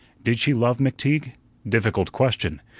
Did she love McTeague? Difficult question.